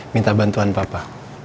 minta bantuan papa